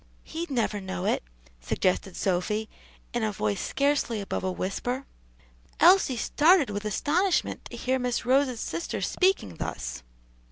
"He'd never know it," suggested Sophy in a voice scarcely above a whisper. Elsie started with astonishment to hear Miss Rose's sister speaking thus.